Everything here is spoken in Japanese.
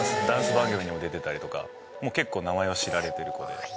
ダンス番組にも出てたりとかもう結構名前は知られてる子で。